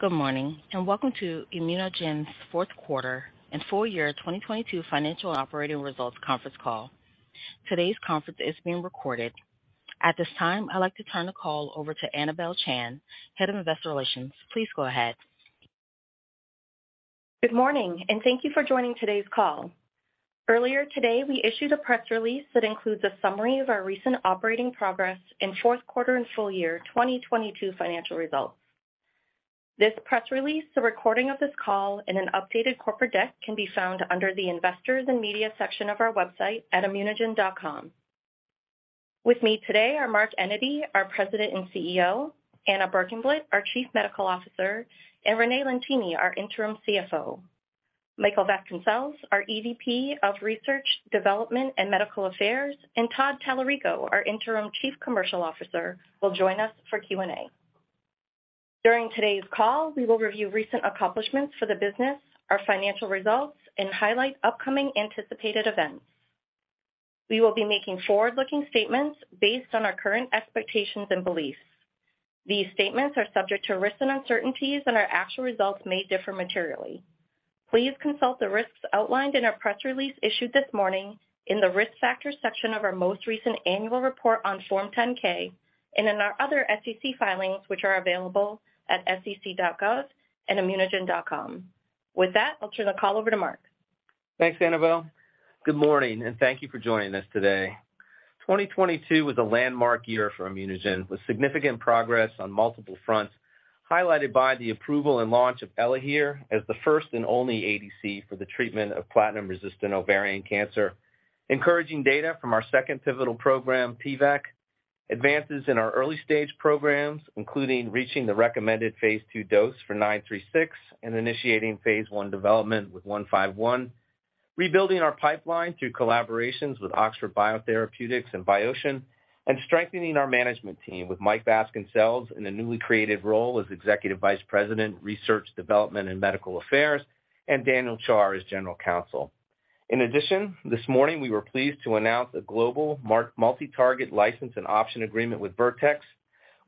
Good morning, and welcome to ImmunoGen's fourth quarter and full year 2022 financial operating results conference call. Today's conference is being recorded. At this time, I'd like to turn the call over to Anabel Chan, Head of Investor Relations. Please go ahead. Good morning. Thank you for joining today's call. Earlier today, we issued a press release that includes a summary of our recent operating progress in the fourth quarter and full year 2022 financial results. This press release, a recording of this call, and an updated corporate deck can be found under the Investors and Media section of our website at immunogen.com. With me today are Mark Enyedy, our President and CEO, Anna Berkenblit, our Chief Medical Officer, and Renee Lentini, our Interim CFO. Michael Vasconcelles, our EVP of Research, Development, and Medical Affairs, and Todd Talarico, our Interim Chief Commercial Officer, will join us for Q&A. During today's call, we will review recent accomplishments for the business, our financial results, and highlight upcoming anticipated events. We will be making forward-looking statements based on our current expectations and beliefs. These statements are subject to risks and uncertainties, and our actual results may differ materially. Please consult the risks outlined in our press release issued this morning in the Risk Factors section of our most recent annual report on Form 10-K and in our other SEC filings, which are available at sec.gov and immunogen.com. With that, I'll turn the call over to Mark. Thanks, Anabel Chan. Good morning, thank you for joining us today. 2022 was a landmark year for ImmunoGen, with significant progress on multiple fronts, highlighted by the approval and launch of ELAHERE as the first and only ADC for the treatment of platinum-resistant ovarian cancer. Encouraging data from our second pivotal program, pivekimab sunirine, advances in our early-stage programs, including reaching the recommended phase 2 dose for 936 and initiating phase 1 development with 151, rebuilding our pipeline through collaborations with Oxford BioTherapeutics and Biogen, and strengthening our management team with Michael Vasconcelles in the newly created role as Executive Vice President, Research, Development, and Medical Affairs, and Daniel Char as General Counsel. In addition, this morning we were pleased to announce a global multi-target license and option agreement with Vertex.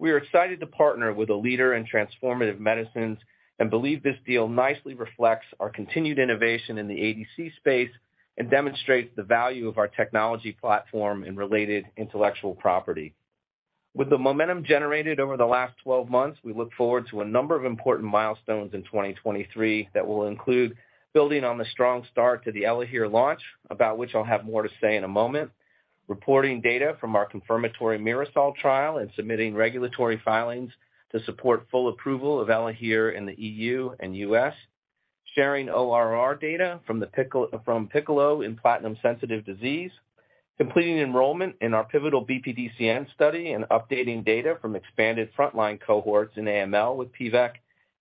We are excited to partner with a leader in transformative medicines and believe this deal nicely reflects our continued innovation in the ADC space and demonstrates the value of our technology platform and related intellectual property. With the momentum generated over the last 12 months, we look forward to a number of important milestones in 2023 that will include building on the strong start to the ELAHERE launch, about which I'll have more to say in a moment, reporting data from our confirmatory MIRASOL trial, and submitting regulatory filings to support full approval of ELAHERE in the EU and U.S., sharing ORR data from PICCOLO in platinum-sensitive disease, completing enrollment in our pivotal BPDCN study, and updating data from expanded frontline cohorts in AML with pVec,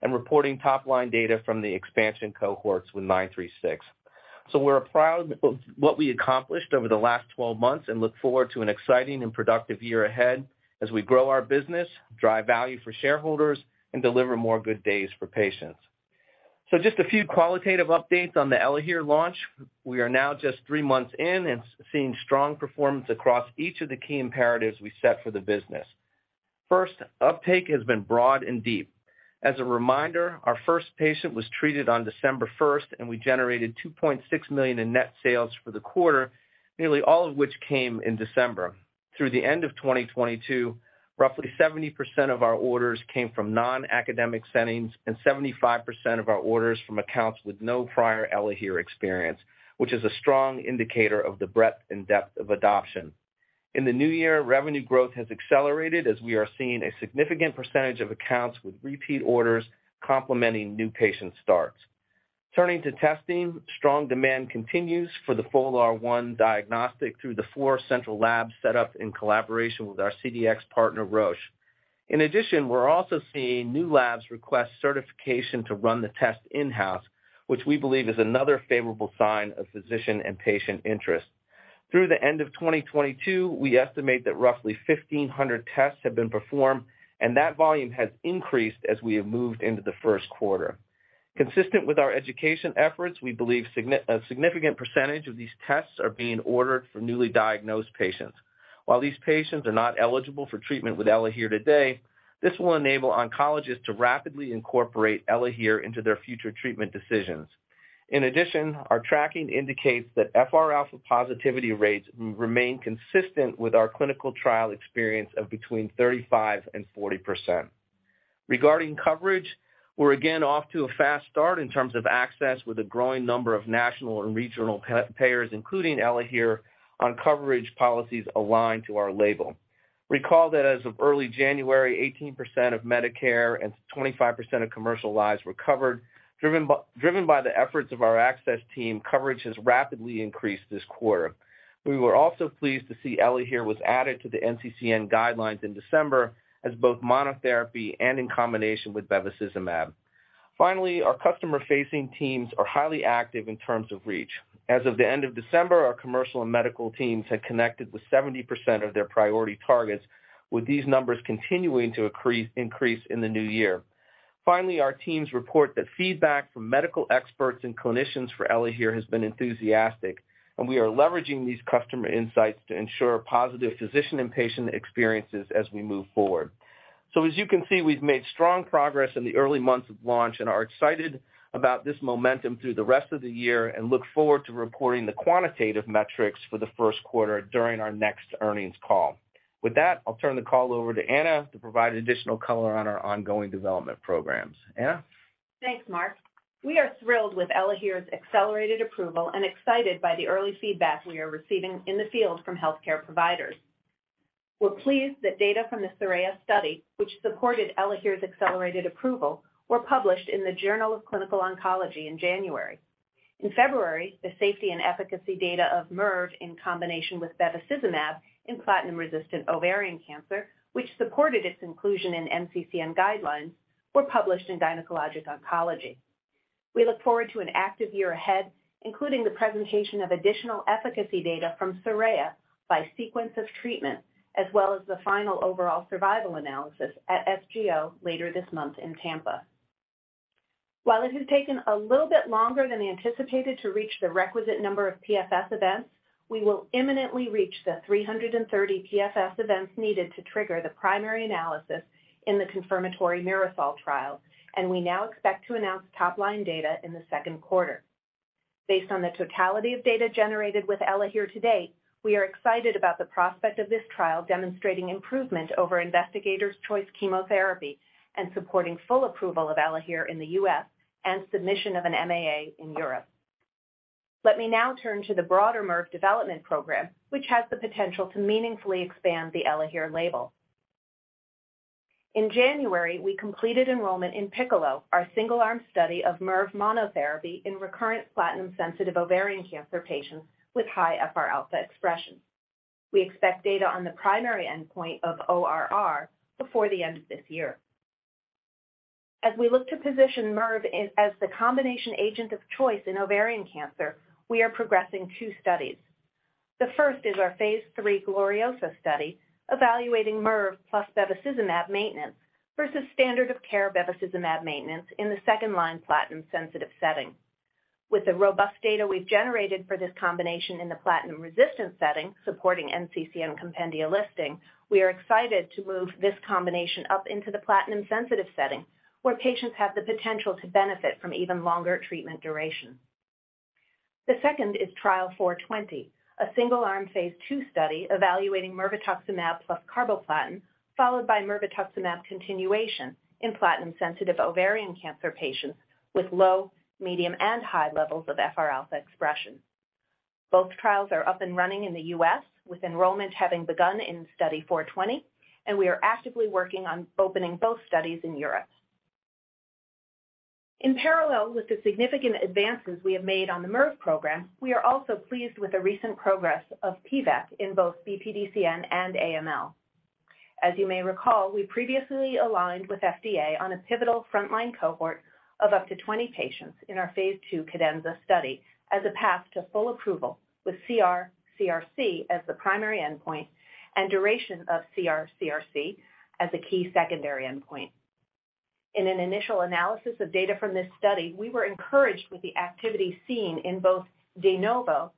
and reporting top-line data from the expansion cohorts with 936. We're proud of what we accomplished over the last 12 months and look forward to an exciting and productive year ahead as we grow our business, drive value for shareholders, and deliver more good days for patients. Just a few qualitative updates on the ELAHERE launch. We are now just 3 months in and seeing strong performance across each of the key imperatives we set for the business. First, uptake has been broad and deep. As a reminder, our first patient was treated on December first, and we generated $2.6 million in net sales for the quarter, nearly all of which came in December. Through the end of 2022, roughly 70% of our orders came from non-academic settings and 75% of our orders from accounts with no prior ELAHERE experience, which is a strong indicator of the breadth and depth of adoption. In the new year, revenue growth has accelerated as we are seeing a significant percentage of accounts with repeat orders complementing new patient starts. Turning to testing, strong demand continues for the FOLR1 diagnostic through the four central labs set up in collaboration with our CDx partner, Roche. In addition, we're also seeing new labs request certification to run the test in-house, which we believe is another favorable sign of physician and patient interest. Through the end of 2022, we estimate that roughly 1,500 tests have been performed, and that volume has increased as we have moved into the first quarter. Consistent with our education efforts, we believe a significant percentage of these tests are being ordered for newly diagnosed patients. While these patients are not eligible for treatment with ELAHERE today, this will enable oncologists to rapidly incorporate ELAHERE into their future treatment decisions. In addition, our tracking indicates that FRα positivity rates remain consistent with our clinical trial experience of between 35% and 40%. Regarding coverage, we're again off to a fast start in terms of access with a growing number of national and regional payers including ELAHERE on coverage policies aligned to our label. Recall that as of early January, 18% of Medicare and 25% of commercial lives were covered. Driven by the efforts of our access team, coverage has rapidly increased this quarter. We were also pleased to see ELAHERE was added to the NCCN guidelines in December as both monotherapy and in combination with bevacizumab. Finally, our customer-facing teams are highly active in terms of reach. As of the end of December, our commercial and medical teams had connected with 70% of their priority targets, with these numbers continuing to increase in the new year. Finally, our teams report that feedback from medical experts and clinicians for ELAHERE has been enthusiastic, and we are leveraging these customer insights to ensure positive physician and patient experiences as we move forward. As you can see, we've made strong progress in the early months of launch, and are excited about this momentum through the rest of the year, and look forward to reporting the quantitative metrics for the first quarter during our next earnings call. With that, I'll turn the call over to Anna to provide additional color on our ongoing development programs. Anna? Thanks, Mark. We are thrilled with ELAHERE's accelerated approval and excited by the early feedback we are receiving in the field from healthcare providers. We're pleased that data from the SORAYA study, which supported ELAHERE's accelerated approval, were published in the Journal of Clinical Oncology in January. In February, the safety and efficacy data of MIRV in combination with bevacizumab in platinum-resistant ovarian cancer, which supported its inclusion in NCCN guidelines, were published in Gynecologic Oncology. We look forward to an active year ahead, including the presentation of additional efficacy data from SORAYA by sequence of treatment, as well as the final overall survival analysis at SGO later this month in Tampa. While it has taken a little bit longer than anticipated to reach the requisite number of PFS events, we will imminently reach the 330 PFS events needed to trigger the primary analysis in the confirmatory MIRASOL trial. We now expect to announce top-line data in the second quarter. Based on the totality of data generated with ELAHERE to date, we are excited about the prospect of this trial demonstrating improvement over investigator choice chemotherapy and supporting full approval of ELAHERE in the U.S. and submission of an MAA in Europe. Let me now turn to the broader MIRV development program, which has the potential to meaningfully expand the ELAHERE label. In January, we completed enrollment in PICCOLO, our single-arm study of MIRV monotherapy in recurrent platinum sensitive ovarian cancer patients with high FRα expression. We expect data on the primary endpoint of ORR before the end of this year. As we look to position MIRV as the combination agent of choice in ovarian cancer, we are progressing 2 studies. The first is our phase 3 GLORIOSA study, evaluating MIRV plus bevacizumab maintenance versus standard of care bevacizumab maintenance in the second-line platinum-sensitive setting. With the robust data we've generated for this combination in the platinum-resistant setting, supporting NCCN compendia listing, we are excited to move this combination up into the platinum-sensitive setting, where patients have the potential to benefit from even longer treatment duration. The second is Trial 420, a single-arm phase 2 study evaluating mirvetuximab plus carboplatin, followed by mirvetuximab continuation in platinum-sensitive ovarian cancer patients with low, medium, and high levels of FRα expression. Both trials are up and running in the U.S., with enrollment having begun in Trial 420. We are actively working on opening both studies in Europe. In parallel with the significant advances we have made on the MIRV program, we are also pleased with the recent progress of PVEC in both BPDCN and AML. As you may recall, we previously aligned with FDA on a pivotal frontline cohort of up to 20 patients in our Phase 2 CADENZA study as a path to full approval with CR/CRc as the primary endpoint and duration of CR/CRc as a key secondary endpoint. In an initial analysis of data from this study, we were encouraged with the activity seen in both de novo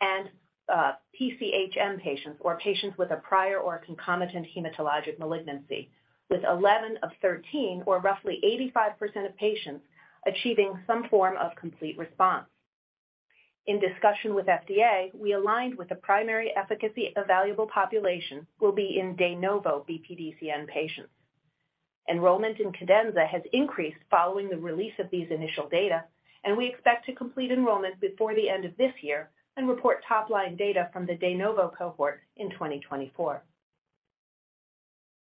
and PCHM patients, or patients with a prior or concomitant hematologic malignancy. With 11 of 13, or roughly 85% of patients achieving some form of complete response. In discussion with FDA, we aligned with the primary efficacy evaluable population will be in de novo BPDCN patients. Enrollment in CADENZA has increased following the release of these initial data, we expect to complete enrollment before the end of this year and report top-line data from the de novo cohort in 2024.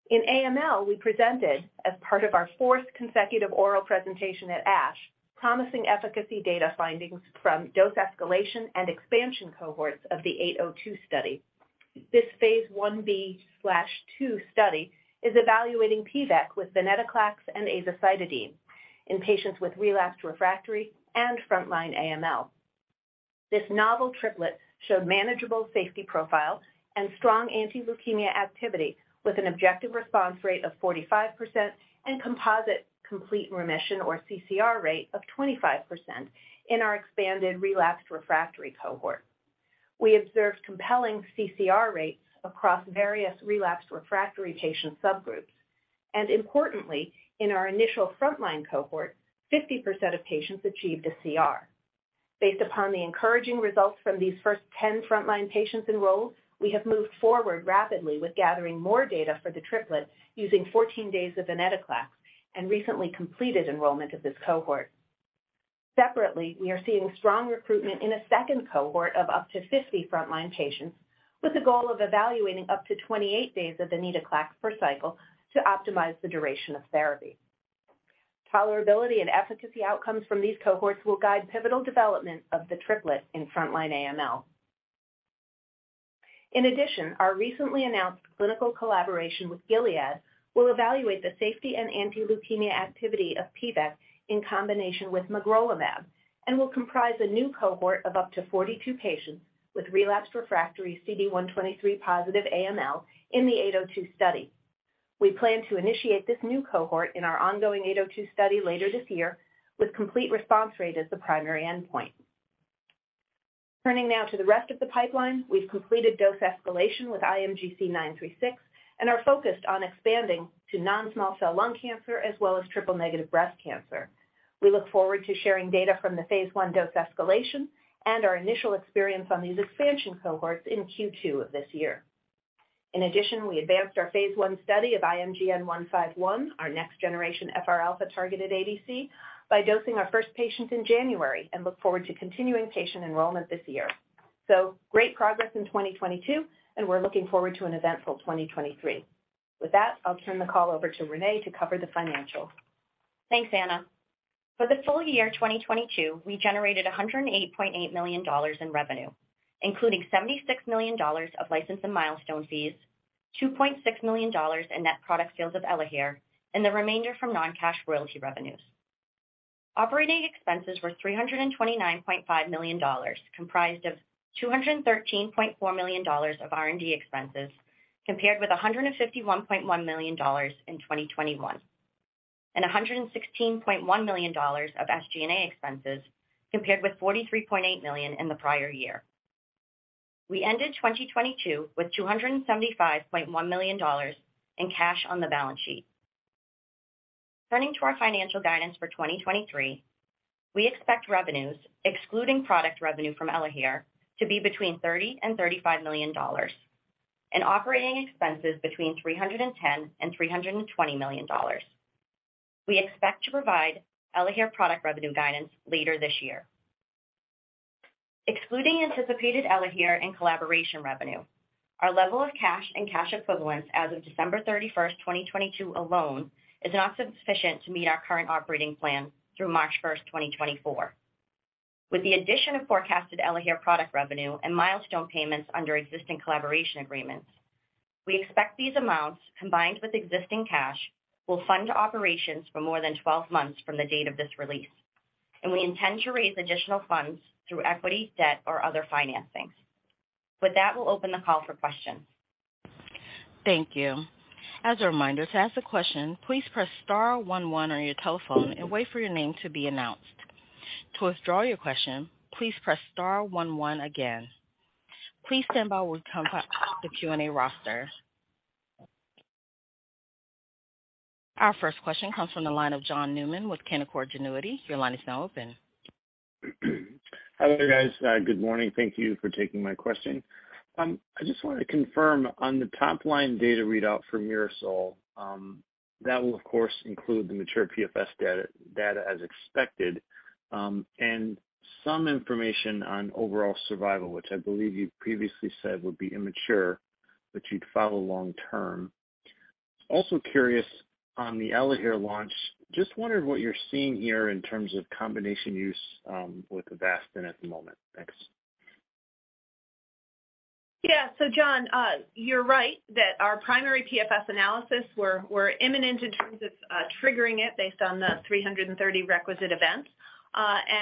In AML, we presented as part of our fourth consecutive oral presentation at ASH, promising efficacy data findings from dose escalation and expansion cohorts of the 802 study. This phase 1b/2 study is evaluating PVEC with venetoclax and azacitidine in patients with relapsed refractory and frontline AML. This novel triplet showed manageable safety profile and strong anti-leukemia activity with an objective response rate of 45% and composite complete remission or CCR rate of 25% in our expanded relapsed refractory cohort. We observed compelling CCR rates across various relapsed refractory patient subgroups. Importantly, in our initial frontline cohort, 50% of patients achieved a CR. Based upon the encouraging results from these first 10 frontline patients enrolled, we have moved forward rapidly with gathering more data for the triplet using 14 days of venetoclax and recently completed enrollment of this cohort. Separately, we are seeing strong recruitment in a second cohort of up to 50 frontline patients with the goal of evaluating up to 28 days of venetoclax per cycle to optimize the duration of therapy. Tolerability and efficacy outcomes from these cohorts will guide pivotal development of the triplet in frontline AML. In addition, our recently announced clinical collaboration with Gilead will evaluate the safety and anti-leukemia activity of PVEC in combination with magrolimab and will comprise a new cohort of up to 42 patients with relapsed refractory CD123-positive AML in the 802 study. We plan to initiate this new cohort in our ongoing 802 study later this year with complete response rate as the primary endpoint. Turning now to the rest of the pipeline, we've completed dose escalation with IMGC936 and are focused on expanding to non-small cell lung cancer as well as triple-negative breast cancer. We look forward to sharing data from the phase 1 dose escalation and our initial experience on these expansion cohorts in Q2 of this year. We advanced our phase I study of IMGN151, our next-generation FRα-targeted ADC, by dosing our first patient in January and look forward to continuing patient enrollment this year. Great progress in 2022, and we're looking forward to an eventful 2023. With that, I'll turn the call over to Renee to cover the financials. Thanks, Anna. For the full year 2022, we generated $108.8 million in revenue, including $76 million of license and milestone fees, $2.6 million in net product sales of ELAHERE, and the remainder from non-cash royalty revenues. Operating expenses were $329.5 million, comprised of $213.4 million of R&D expenses, compared with $151.1 million in 2021, and $116.1 million of SG&A expenses, compared with $43.8 million in the prior year. We ended 2022 with $275.1 million in cash on the balance sheet. Turning to our financial guidance for 2023, we expect revenues, excluding product revenue from ELAHERE, to be between $30 million and $35 million and operating expenses between $310 million and $320 million. We expect to provide ELAHERE product revenue guidance later this year. Excluding anticipated ELAHERE and collaboration revenue, our level of cash and cash equivalents as of December 31, 2022 alone is not sufficient to meet our current operating plan through March 1, 2024. With the addition of forecasted ELAHERE product revenue and milestone payments under existing collaboration agreements, we expect these amounts, combined with existing cash, will fund operations for more than 12 months from the date of this release. We intend to raise additional funds through equity, debt, or other financings. With that, we'll open the call for questions. Thank you. As a reminder, to ask a question, please press star one one on your telephone and wait for your name to be announced. To withdraw your question, please press star one one again. Please stand by while we come back to the Q&A roster. Our first question comes from the line of John Newman with Canaccord Genuity. Your line is now open. Hello, guys. Good morning. Thank you for taking my question. I just wanted to confirm on the top-line data readout from MIRASOL, that will, of course, include the mature PFS data as expected, and some information on overall survival, which I believe you previously said would be immature, but you'd follow long term. Also curious on the ELAHERE launch, just wondering what you're seeing here in terms of combination use, with Avastin at the moment. Thanks. Yeah. John, you're right that our primary PFS analysis, we're imminent in terms of triggering it based on the 330 requisite events.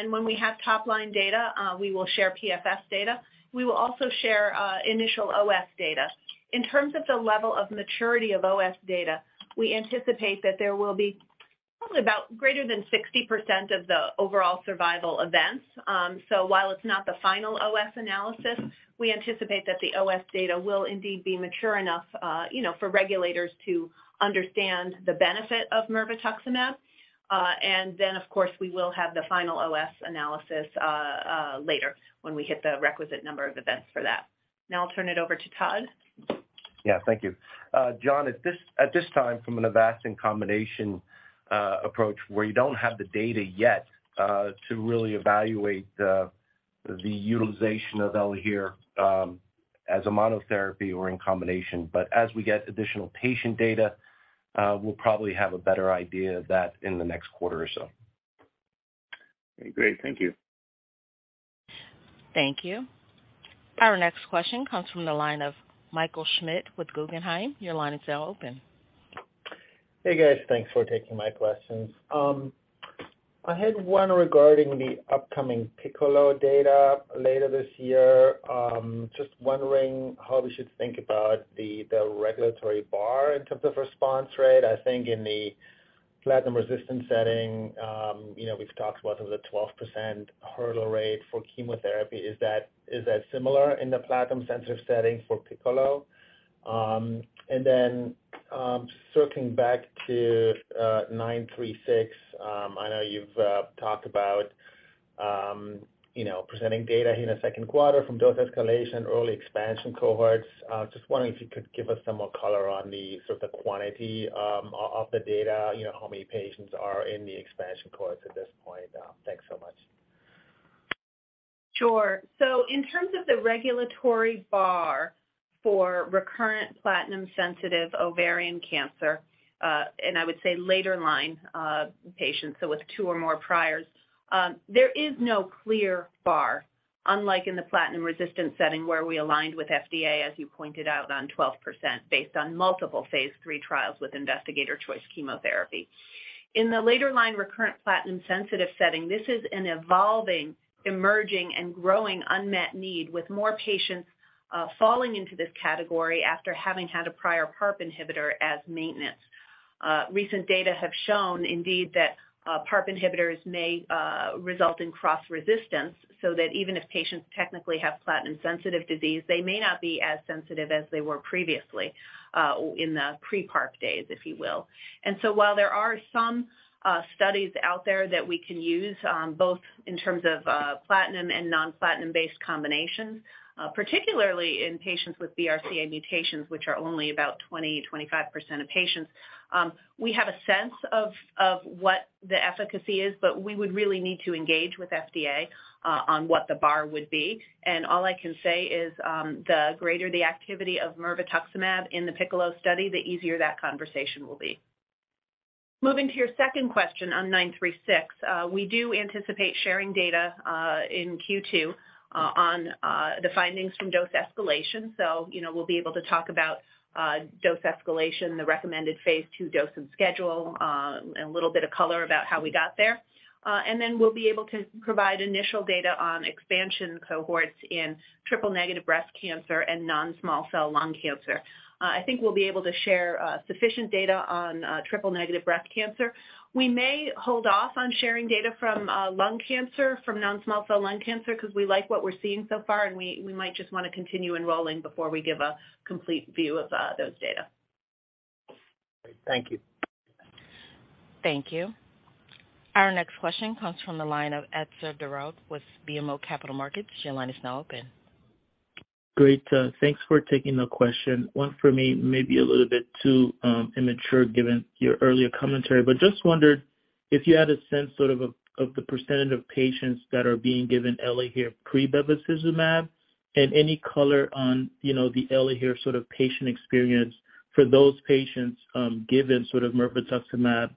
When we have top-line data, we will share PFS data. We will also share initial OS data. In terms of the level of maturity of OS data, we anticipate that there will be probably about greater than 60% of the overall survival events. While it's not the final OS analysis, we anticipate that the OS data will indeed be mature enough, you know, for regulators to understand the benefit of mirvetuximab. Of course, we will have the final OS analysis later when we hit the requisite number of events for that. I'll turn it over to Todd. Yeah. Thank you. John, at this time from an Avastin combination, approach where you don't have the data yet, to really evaluate, the utilization of ELAHERE, as a monotherapy or in combination. As we get additional patient data, we'll probably have a better idea of that in the next quarter or so. Okay, great. Thank you. Thank you. Our next question comes from the line of Michael Schmidt with Guggenheim. Your line is now open. Hey, guys. Thanks for taking my questions. I had one regarding the upcoming PICCOLO data later this year. Just wondering how we should think about the regulatory bar in terms of response rate. I think in the platinum-resistant setting, you know, we've talked about the 12% hurdle rate for chemotherapy. Is that similar in the platinum-sensitive setting for PICCOLO? Then, circling back to 936, I know you've talked about, you know, presenting data in the second quarter from dose escalation, early expansion cohorts. Just wondering if you could give us some more color on the sort of the quantity of the data, you know, how many patients are in the expansion cohorts at this point. Thanks so much. Sure. In terms of the regulatory bar for recurrent platinum-sensitive ovarian cancer, and I would say later-line patients, so with 2 or more priors, there is no clear bar, unlike in the platinum-resistant setting, where we aligned with FDA, as you pointed out, on 12% based on multiple phase 3 trials with investigator choice chemotherapy. In the later-line recurrent platinum-sensitive setting, this is an evolving, emerging, and growing unmet need, with more patients falling into this category after having had a prior PARP inhibitor as maintenance. Recent data have shown indeed that PARP inhibitors may result in cross resistance, so that even if patients technically have platinum-sensitive disease, they may not be as sensitive as they were previously in the pre-PARP days, if you will. While there are some studies out there that we can use, both in terms of platinum and non-platinum-based combinations, particularly in patients with BRCA mutations, which are only about 20-25% of patients, we have a sense of what the efficacy is, but we would really need to engage with FDA on what the bar would be. All I can say is, the greater the activity of mirvetuximab in the PICCOLO study, the easier that conversation will be. Moving to your second question on 936, we do anticipate sharing data in Q2 on the findings from dose escalation. You know, we'll be able to talk about dose escalation, the recommended Phase 2 dose and schedule, and a little bit of color about how we got there. We'll be able to provide initial data on expansion cohorts in triple-negative breast cancer and non-small cell lung cancer. I think we'll be able to share sufficient data on triple-negative breast cancer. We may hold off on sharing data from lung cancer, from non-small cell lung cancer 'cause we like what we're seeing so far, and we might just wanna continue enrolling before we give a complete view of those data. Thank you. Thank you. Our next question comes from the line of Etzer Darout with BMO Capital Markets. Your line is now open. Great. Thanks for taking the question. One for me, maybe a little bit too immature given your earlier commentary, but just wondered if you had a sense sort of the percentage of patients that are being given ELAHERE pre-bevacizumab, and any color on, you know, the ELAHERE sort of patient experience for those patients, given sort of mirvetuximab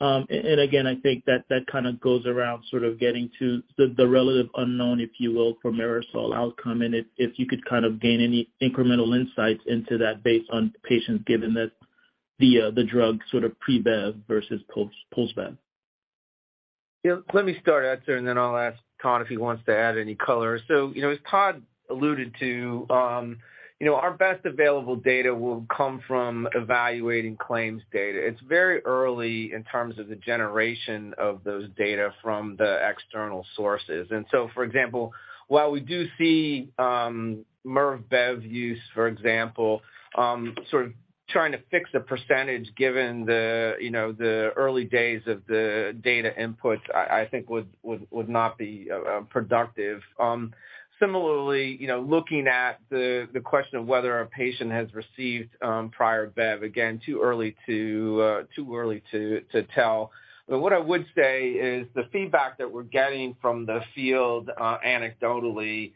pre-bev. Again, I think that that kind of goes around sort of getting to the relative unknown, if you will, for MIRASOL outcome, and if you could kind of gain any incremental insights into that based on patients given that the drug sort of pre-bev versus post-bev. Yeah. Let me start, Etzer, and then I'll ask Todd if he wants to add any color. You know, as Todd alluded to, you know, our best available data will come from evaluating claims data. It's very early in terms of the generation of those data from the external sources. for example, while we do see, mir-bev use, for example, sort of trying to fix a percentage given the, you know, the early days of the data input, I think would, would not be productive. similarly, you know, looking at the question of whether a patient has received, prior bev, again, too early to tell. What I would say is the feedback that we're getting from the field, anecdotally,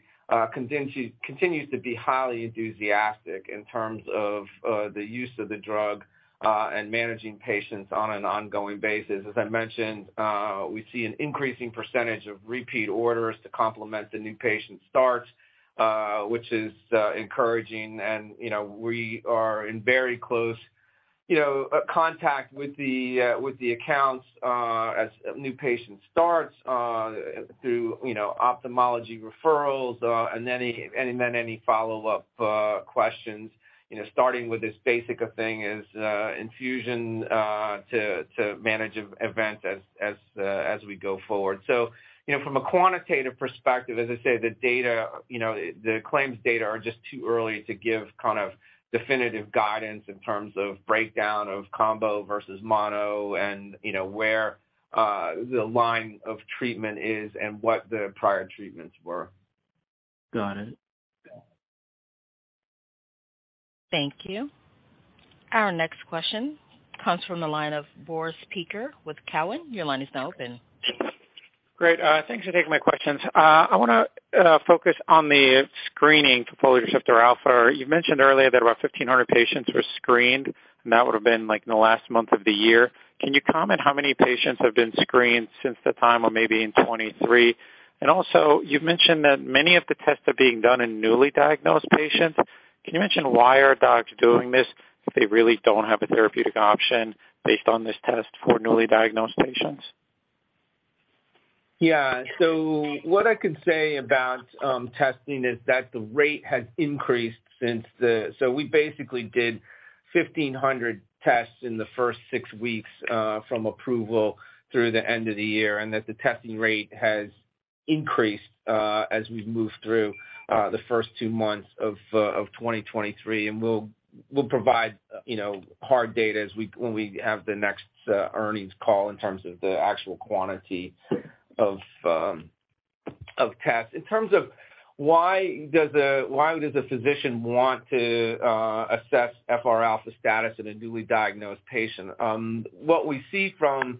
continues to be highly enthusiastic in terms of the use of the drug and managing patients on an ongoing basis. As I mentioned, we see an increasing percentage of repeat orders to complement the new patient starts, which is encouraging. You know, we are in very close, you know, contact with the accounts as new patient starts through, you know, ophthalmology referrals, and any and then any follow-up questions, you know, starting with as basic a thing as infusion to manage events as we go forward. You know, from a quantitative perspective, as I say, the data, you know, the claims data are just too early to give kind of definitive guidance in terms of breakdown of combo versus mono and, you know, where the line of treatment is and what the prior treatments were. Got it. Thank you. Our next question comes from the line of Boris Peaker with Cowen. Your line is now open. Great. thanks for taking my questions. I wanna focus on the screening for folate receptor alpha. You mentioned earlier that about 1,500 patients were screened, and that would've been, like, in the last month of the year. Can you comment how many patients have been screened since the time or maybe in 2023? Also, you've mentioned that many of the tests are being done in newly diagnosed patients. Can you mention why are docs doing this if they really don't have a therapeutic option based on this test for newly diagnosed patients? Yeah. What I can say about testing is that the rate has increased. We basically did 1,500 tests in the first 6 weeks from approval through the end of the year, and that the testing rate has increased as we've moved through the first 2 months of 2023. We'll provide, you know, hard data when we have the next earnings call in terms of the actual quantity of tests. In terms of why does a physician want to assess FRα status in a newly diagnosed patient, what we see from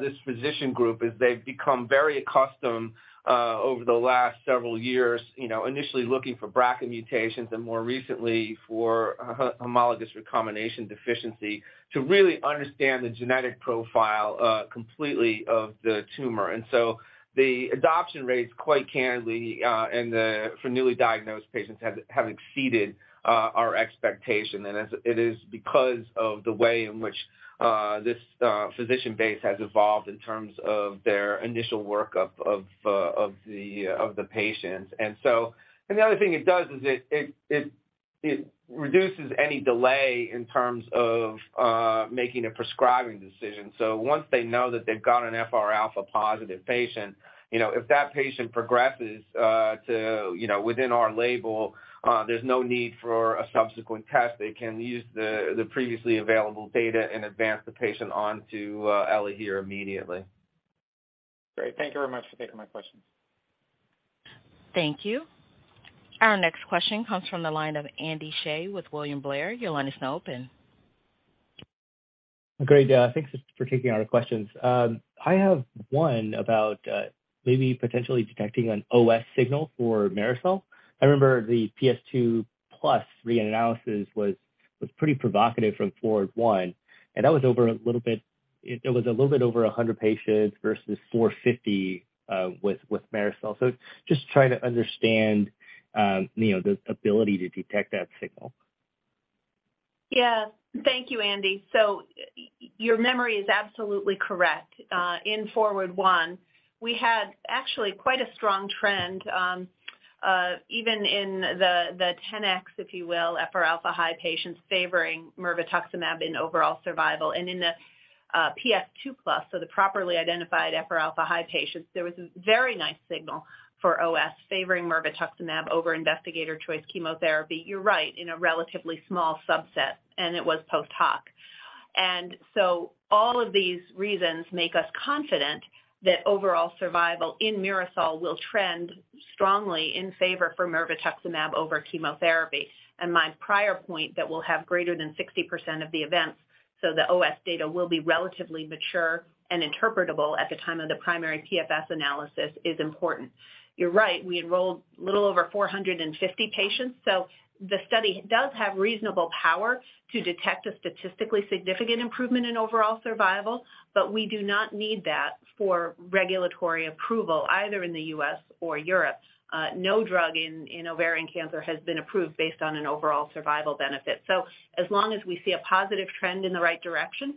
this physician group is they've become very accustomed, you know, over the last several years, initially looking for BRCA mutations and more recently for homologous recombination deficiency to really understand the genetic profile completely of the tumor. The adoption rates, quite candidly, for newly diagnosed patients have exceeded our expectation. As it is because of the way in which this physician base has evolved in terms of their initial workup of the patients. The other thing it does is it It reduces any delay in terms of making a prescribing decision. Once they know that they've got an FRα-positive patient, you know, if that patient progresses to, you know, within our label, there's no need for a subsequent test. They can use the previously available data and advance the patient on to ELAHERE immediately. Great. Thank you very much for taking my question. Thank you. Our next question comes from the line of Andy Hsieh with William Blair. Your line is now open. Great. Thanks for taking our questions. I have one about maybe potentially detecting an OS signal for MIRASOL. I remember the PS2+ re-analysis was pretty provocative from FORWARD I, and that was over a little bit over 100 patients versus 450 with MIRASOL. Just trying to understand, you know, the ability to detect that signal. Thank you, Andy. Your memory is absolutely correct. In FORWARD I, we had actually quite a strong trend, even in the 10X, if you will, FRα-high patients favoring mirvetuximab in overall survival. In the PS2+, so the properly identified FRα-high patients, there was a very nice signal for OS favoring mirvetuximab over investigator choice chemotherapy, you're right, in a relatively small subset, and it was post-hoc. All of these reasons make us confident that overall survival in MIRASOL will trend strongly in favor for mirvetuximab over chemotherapy. My prior point that we'll have greater than 60% of the events, so the OS data will be relatively mature and interpretable at the time of the primary PFS analysis is important. You're right, we enrolled a little over 450 patients, so the study does have reasonable power to detect a statistically significant improvement in overall survival. We do not need that for regulatory approval either in the U.S. or Europe. No drug in ovarian cancer has been approved based on an overall survival benefit. As long as we see a positive trend in the right direction,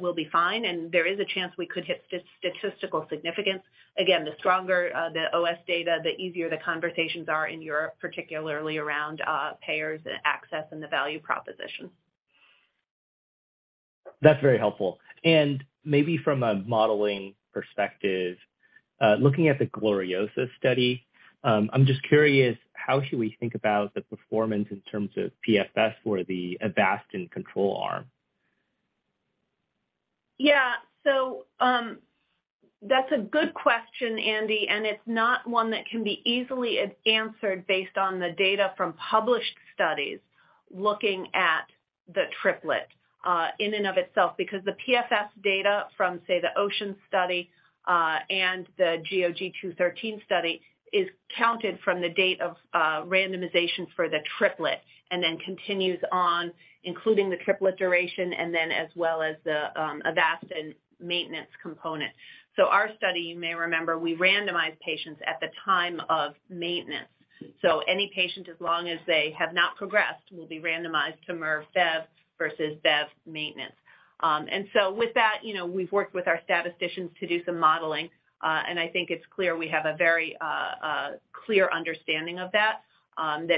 we'll be fine, and there is a chance we could hit statistical significance. Again, the stronger the OS data, the easier the conversations are in Europe, particularly around payers and access and the value proposition. That's very helpful. Maybe from a modeling perspective, looking at the GLORIOSA study, I'm just curious, how should we think about the performance in terms of PFS for the Avastin control arm? Yeah. That's a good question, Andy, and it's not one that can be easily answered based on the data from published studies looking at the triplet in and of itself. The PFS data from, say, the OCEAN study and the GOG-0213 study is counted from the date of randomization for the triplet, and then continues on, including the triplet duration and then as well as the Avastin maintenance component. Our study, you may remember, we randomized patients at the time of maintenance. Any patient, as long as they have not progressed, will be randomized to mir-bev versus bev maintenance. With that, you know, we've worked with our statisticians to do some modeling, and I think it's clear we have a very clear understanding of that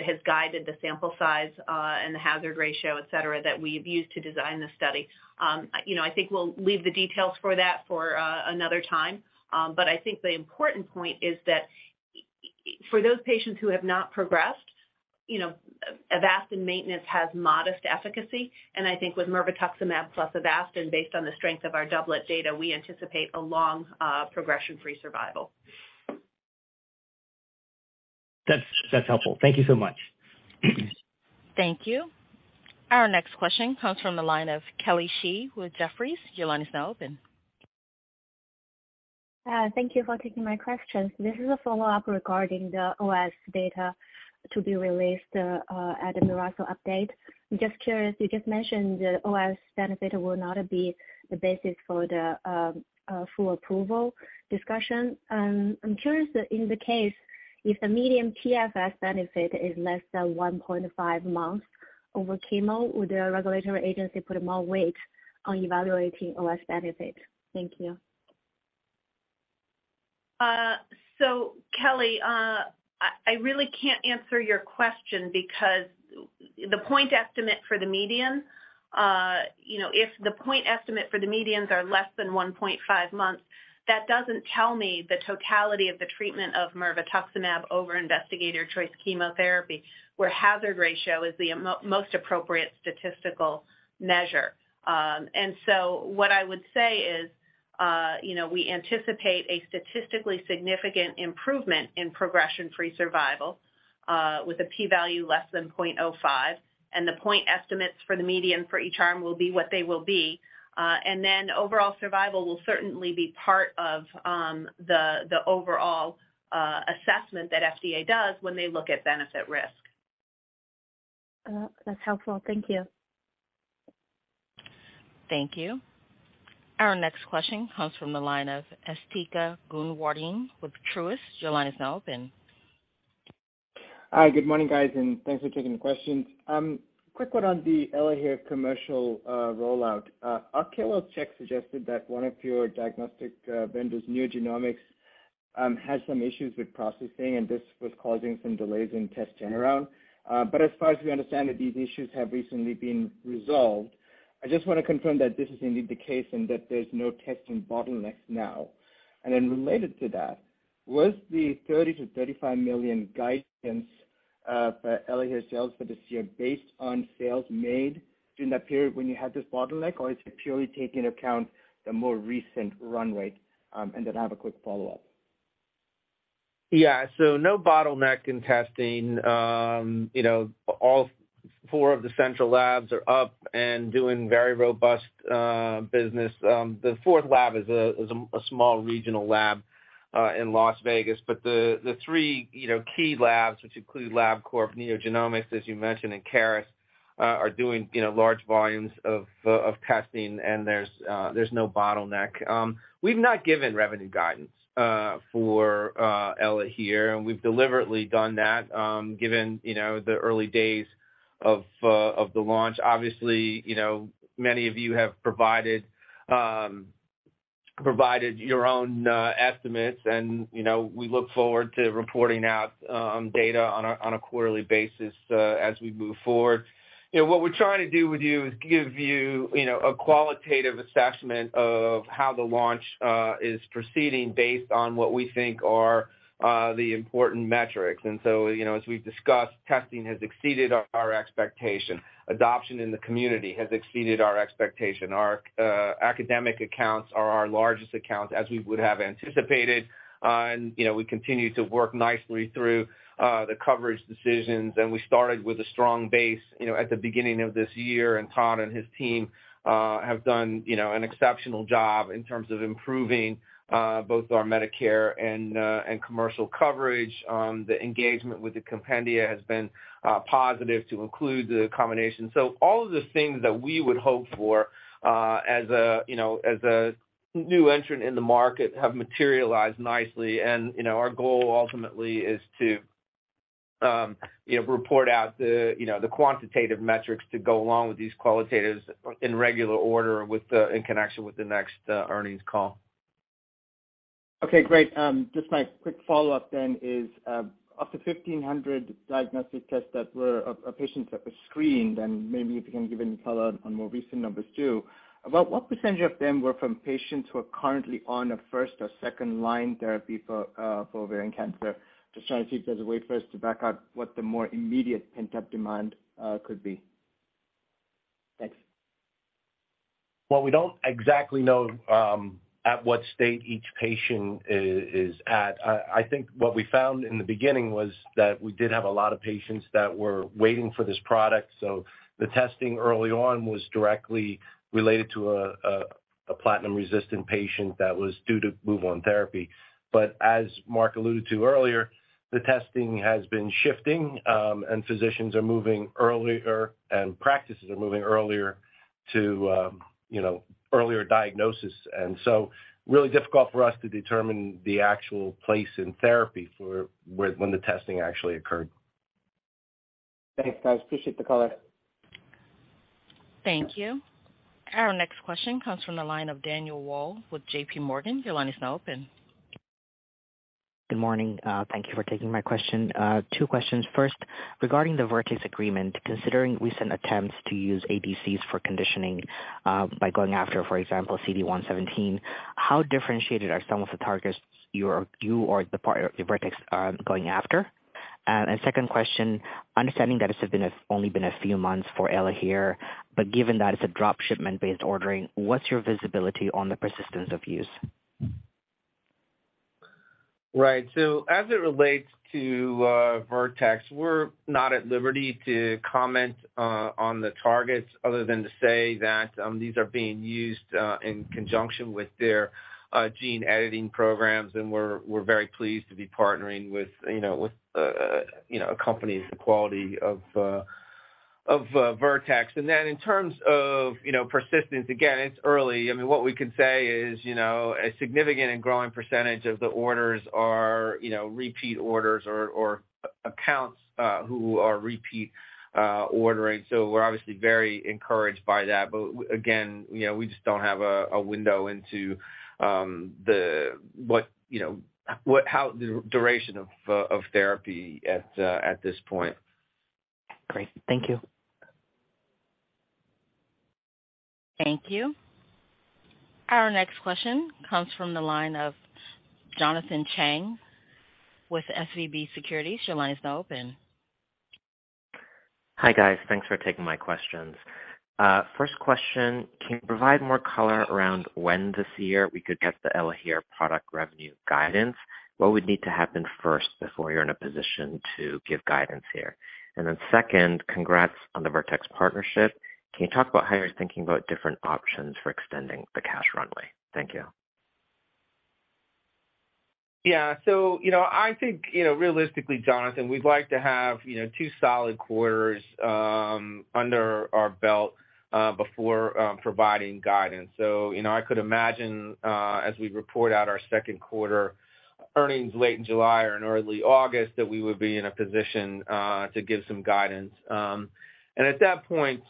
has guided the sample size, and the hazard ratio, et cetera, that we've used to design the study. You know, I think we'll leave the details for that for another time. I think the important point is that for those patients who have not progressed, you know, Avastin maintenance has modest efficacy. I think with mirvetuximab plus Avastin, based on the strength of our doublet data, we anticipate a long progression-free survival. That's helpful. Thank you so much. Thank you. Our next question comes from the line of Kelly Shi with Jefferies. Your line is now open. Thank you for taking my questions. This is a follow-up regarding the OS data to be released at the MIRASOL update. I'm just curious, you just mentioned the OS benefit will not be the basis for the full approval discussion. I'm curious that in the case, if the median PFS benefit is less than 1.5 months over chemo, would the regulatory agency put more weight on evaluating OS benefit? Thank you. Kelly, I really can't answer your question because the point estimate for the median, you know, if the point estimate for the medians are less than 1.5 months, that doesn't tell me the totality of the treatment of mirvetuximab over investigator choice chemotherapy, where hazard ratio is the most appropriate statistical measure. What I would say is, you know, we anticipate a statistically significant improvement in progression-free survival with a P value less than 0.05, and the point estimates for the median for each arm will be what they will be. Overall survival will certainly be part of the overall assessment that FDA does when they look at benefit risk. That's helpful. Thank you. Thank you. Our next question comes from the line of Asthika Goonewardene with Truist. Your line is now open. Hi. Good morning, guys, and thanks for taking the questions. Quick one on the ELAHERE commercial rollout. Akash Tewari suggested that one of your diagnostic vendors, NeoGenomics Had some issues with processing, and this was causing some delays in test turnaround. As far as we understand it, these issues have recently been resolved. I just wanna confirm that this is indeed the case and that there's no testing bottlenecks now. Related to that, was the $30 million-$35 million guidance for ELAHERE sales for this year based on sales made during that period when you had this bottleneck, or is it purely take into account the more recent runway? I have a quick follow-up. No bottleneck in testing. You know, all 4 of the central labs are up and doing very robust business. The fourth lab is a small regional lab in Las Vegas. The 3, you know, key labs, which include LabCorp, NeoGenomics, as you mentioned, and Caris, are doing, you know, large volumes of testing, and there's no bottleneck. We've not given revenue guidance for ELAHERE, and we've deliberately done that, given, you know, the early days of the launch. Obviously, you know, many of you have provided your own estimates, and, you know, we look forward to reporting out data on a quarterly basis as we move forward. You know, what we're trying to do with you is give you know, a qualitative assessment of how the launch is proceeding based on what we think are the important metrics. You know, as we've discussed, testing has exceeded our expectation. Adoption in the community has exceeded our expectation. Our academic accounts are our largest accounts, as we would have anticipated. You know, we continue to work nicely through the coverage decisions, and we started with a strong base, you know, at the beginning of this year, and Todd and his team have done, you know, an exceptional job in terms of improving both our Medicare and commercial coverage. The engagement with the compendia has been positive to include the combination. All of the things that we would hope for, as a, you know, as a new entrant in the market have materialized nicely. You know, our goal ultimately is to, you know, report out the, you know, the quantitative metrics to go along with these qualitatives in regular order in connection with the next earnings call. Okay, great. Just my quick follow-up is, up to 1,500 diagnostic tests that were of patients that were screened, maybe you can give any color on more recent numbers too, about what % of them were from patients who are currently on a first or second-line therapy for ovarian cancer? Just trying to see if there's a way for us to back out what the more immediate pent-up demand could be. Thanks. We don't exactly know at what stage each patient is at. I think what we found in the beginning was that we did have a lot of patients that were waiting for this product, so the testing early on was directly related to a platinum-resistant patient that was due to move on therapy. As Mark alluded to earlier, the testing has been shifting, and physicians are moving earlier and practices are moving earlier to, you know, earlier diagnosis. Really difficult for us to determine the actual place in therapy for where, when the testing actually occurred. Thanks, guys. Appreciate the color. Thank you. Our next question comes from the line of Danielle Brill with JP Morgan. Your line is now open. Good morning. Thank you for taking my question. 2 questions. First, regarding the Vertex agreement, considering recent attempts to use ADCs for conditioning, by going after, for example, CD117, how differentiated are some of the targets you or Vertex are going after? Second question, understanding that it's only been a few months for ELAHERE, but given that it's a drop shipment-based ordering, what's your visibility on the persistence of use? Right. As it relates to Vertex, we're not at liberty to comment on the targets other than to say that these are being used in conjunction with their gene editing programs, and we're very pleased to be partnering with, you know, with, you know, a company of the quality of Vertex. In terms of, you know, persistence, again, it's early. I mean, what we can say is, you know, a significant and growing percentage of the orders are, you know, repeat orders or accounts who are repeat ordering. We're obviously very encouraged by that. Again, you know, we just don't have a window into what, you know, what, how the duration of therapy at this point. Great. Thank you. Thank you. Our next question comes from the line of Jonathan Chang with SVB Securities. Your line is now open. Hi, guys. Thanks for taking my questions. First question, can you provide more color around when this year we could get the ELAHERE product revenue guidance? What would need to happen first before you're in a position to give guidance here? And then second, congrats on the Vertex partnership. Can you talk about how you're thinking about different options for extending the cash runway? Thank you. I think, you know, realistically, Jonathan, we'd like to have, you know, two solid quarters under our belt before providing guidance. I could imagine, you know, as we report out our second quarter earnings late in July or in early August that we would be in a position to give some guidance. At that point,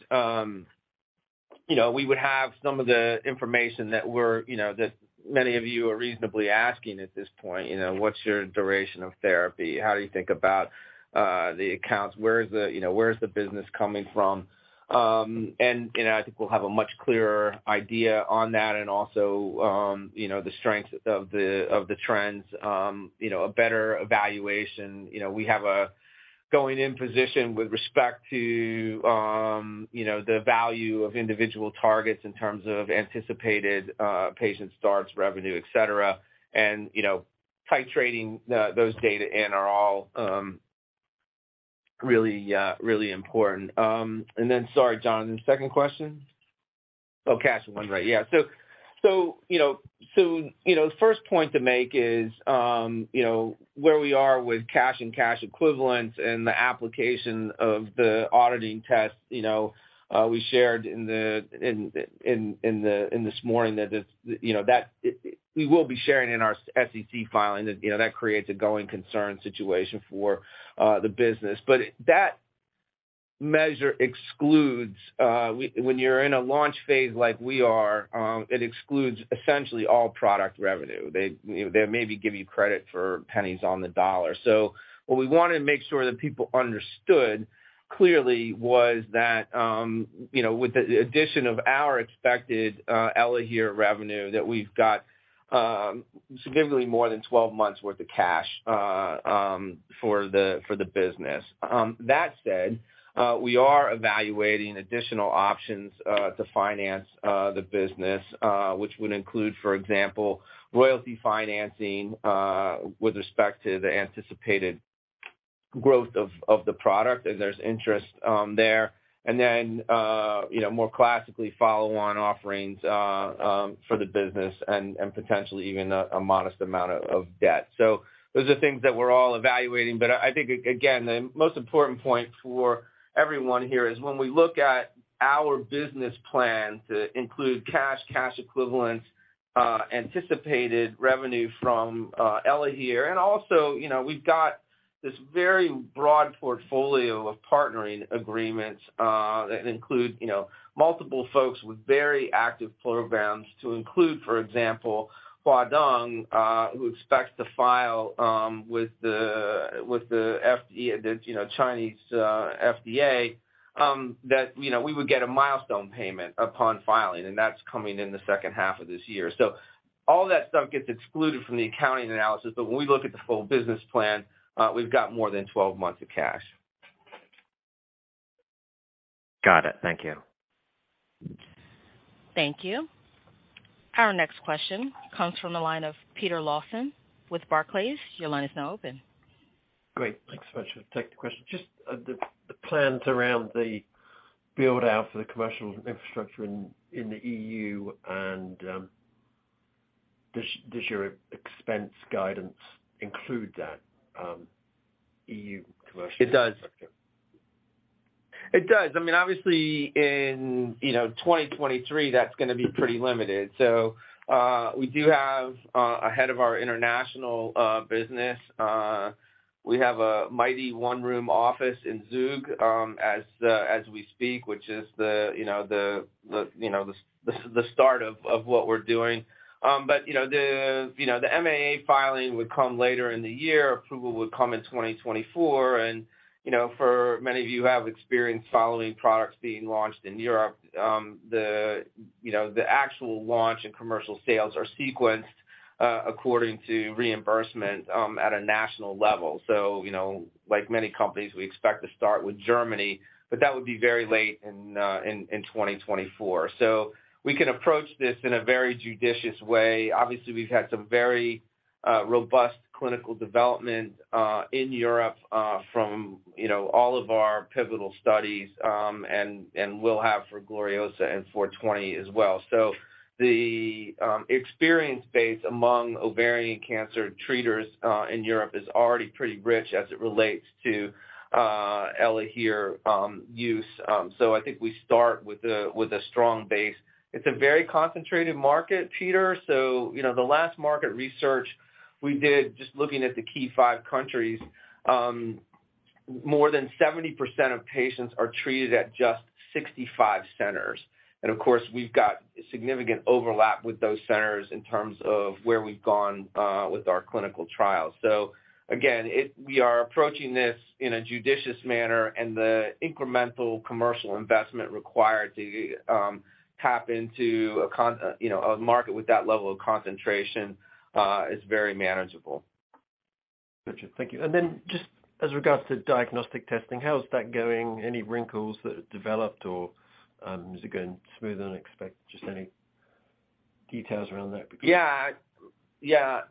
you know, we would have some of the information that we're, you know, that many of you are reasonably asking at this point, you know, what's your duration of therapy? How do you think about the accounts? Where is the, you know, where is the business coming from? I think we'll have a much clearer idea on that and also, you know, the strength of the trends, you know, a better evaluation. You know, we have a going in position with respect to, you know, the value of individual targets in terms of anticipated patient starts, revenue, et cetera. You know, titrating those data in are all really, really important. Sorry, John, second question? Cash one, right. Yeah. You know, the first point to make is, you know, where we are with cash and cash equivalents and the application of the auditing test, you know, we shared in this morning that it's, you know, We will be sharing in our SEC filing that, you know, that creates a going concern situation for the business. That measure excludes, when you're in a launch phase like we are, it excludes essentially all product revenue. They, you know, they maybe give you credit for pennies on the dollar. What we wanna make sure that people understood clearly was that, you know, with the addition of our expected ELAHERE revenue, that we've got significantly more than 12 months worth of cash for the business. That said, we are evaluating additional options to finance the business, which would include, for example, royalty financing with respect to the anticipated growth of the product, and there's interest there. You know, more classically follow-on offerings for the business and potentially even a modest amount of debt. Those are things that we're all evaluating. I think, again, the most important point for everyone here is when we look at our business plan to include cash equivalents, anticipated revenue from ELAHERE, and also, you know, we've got this very broad portfolio of partnering agreements, that include, you know, multiple folks with very active programs to include, for example, HuaDong Medicine, who expects to file with the Chinese FDA, that, you know, we would get a milestone payment upon filing, and that's coming in the second half of this year. All that stuff gets excluded from the accounting analysis, but when we look at the full business plan, we've got more than 12 months of cash. Got it. Thank you. Thank you. Our next question comes from the line of Peter Lawson with Barclays. Your line is now open. Great. Thanks so much. Take the question. Just the plans around the build-out for the commercial infrastructure in the EU, does your expense guidance include that EU commercial infrastructure? It does. It does. I mean, obviously in, you know, 2023, that's gonna be pretty limited. We do have a head of our international business. We have a mighty one-room office in Zug, as we speak, which is, you know, the, you know, the start of what we're doing. You know, the MAA filing would come later in the year, approval would come in 2024. You know, for many of you who have experience following products being launched in Europe, the actual launch and commercial sales are sequenced according to reimbursement at a national level. You know, like many companies, we expect to start with Germany, but that would be very late in 2024. We can approach this in a very judicious way. Obviously, we've had some very robust clinical development in Europe from, you know, all of our pivotal studies, and will have for GLORIOSA and Trial 420 as well. The experience base among ovarian cancer treaters in Europe is already pretty rich as it relates to ELAHERE use. I think we start with a strong base. It's a very concentrated market, Peter. You know, the last market research we did just looking at the key five countries, more than 70% of patients are treated at just 65 centers. Of course, we've got significant overlap with those centers in terms of where we've gone with our clinical trials. Again, we are approaching this in a judicious manner and the incremental commercial investment required to tap into a you know, a market with that level of concentration is very manageable. Gotcha. Thank you. Just as regards to diagnostic testing, how's that going? Any wrinkles that have developed or is it going smoother than expected? Just any details around that because. Yeah. Yeah.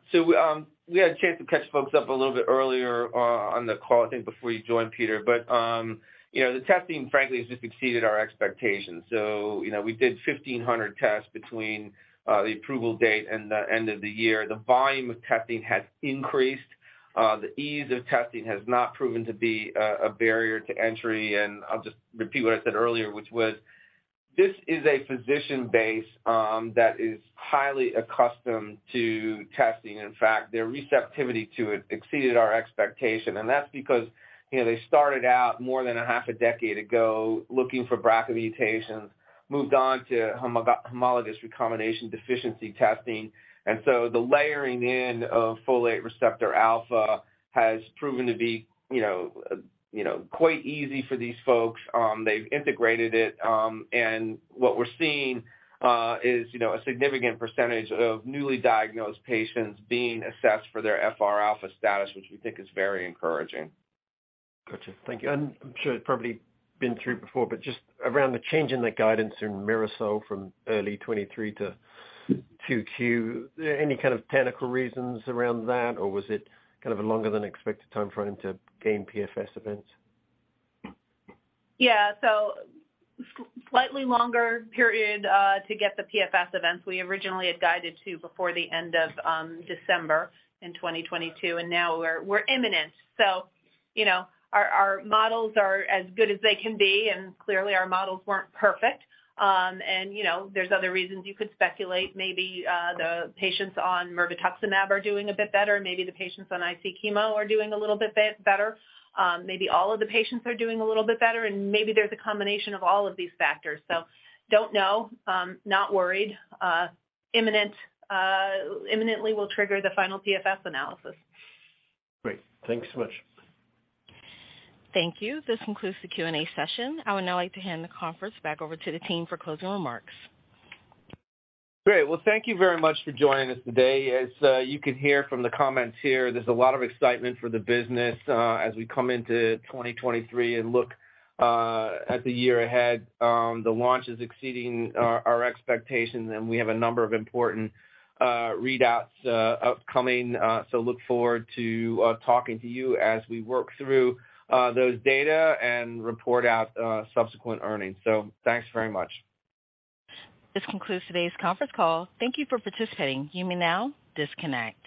We had a chance to catch folks up a little bit earlier, on the call, I think, before you joined, Peter. You know, the testing, frankly, has just exceeded our expectations. You know, we did 1,500 tests between the approval date and the end of the year. The volume of testing has increased. The ease of testing has not proven to be a barrier to entry. I'll just repeat what I said earlier, which was this is a physician base, that is highly accustomed to testing. In fact, their receptivity to it exceeded our expectation, and that's because, you know, they started out more than a half a decade ago looking for BRCA mutations. Moved on to homologous recombination deficiency testing. The layering in of folate receptor alpha has proven to be, you know, quite easy for these folks. They've integrated it, and what we're seeing is, you know, a significant percentage of newly diagnosed patients being assessed for their FR alpha status, which we think is very encouraging. Gotcha. Thank you. I'm sure you've probably been through before, but just around the change in the guidance in MIRASOL from early 23 to 2Q, any kind of technical reasons around that, or was it kind of a longer than expected timeframe to gain PFS events? Yeah. Slightly longer period, to get the PFS events we originally had guided to before the end of December in 2022, and now we're imminent. You know, our models are as good as they can be, and clearly, our models weren't perfect. You know, there's other reasons you could speculate. Maybe the patients on mirvetuximab are doing a bit better. Maybe the patients on IC chemo are doing a little bit better. Maybe all of the patients are doing a little bit better, and maybe there's a combination of all of these factors. Don't know, not worried. Imminent, imminently will trigger the final PFS analysis. Great. Thank you so much. Thank you. This concludes the Q&A session. I would now like to hand the conference back over to the team for closing remarks. Great. Well, thank you very much for joining us today. As you can hear from the comments here, there's a lot of excitement for the business as we come into 2023 and look at the year ahead. The launch is exceeding our expectations, and we have a number of important readouts upcoming. Look forward to talking to you as we work through those data and report out subsequent earnings. Thanks very much. This concludes today's conference call. Thank you for participating. You may now disconnect.